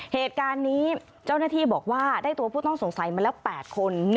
เหตุการณ์นี้เจ้าหน้าที่บอกว่าได้ตัวผู้ต้องสงสัยมาแล้ว๘คน